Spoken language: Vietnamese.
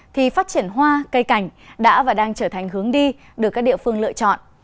thì phát triển hoa cây cảnh đã và đang trở thành hướng đi được các địa phương lựa chọn